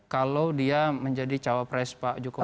kalau dia menjadi cawapres pak jokowi